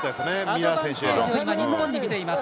アドバンテージを日本に見ています。